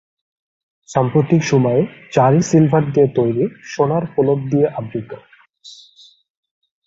সাম্প্রতিক সময়ে, জারি সিলভার দিয়ে তৈরি, সোনার প্রলেপ দিয়ে আবৃত।